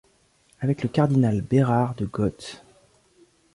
Avec le cardinal Bérard de Got.